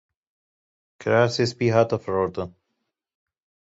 Kirasê spî hat firotin.